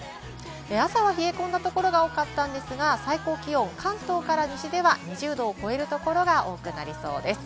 朝は冷えこんだところが多かったんですが、最高気温、関東から西では２０度を超える所が多くなりそうです。